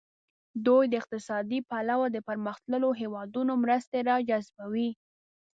دوی د اقتصادي پلوه د پرمختللو هیوادونو مرستې را جذبوي.